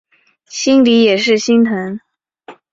心里也是心疼